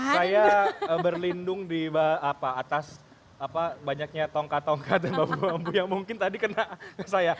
saya berlindung di atas banyaknya tongkat tongkat dan bambu bambu yang mungkin tadi kena ke saya